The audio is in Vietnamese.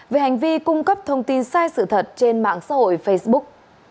về hành vi cung cấp thông tin sai sự thật trên mạng xã hội facebook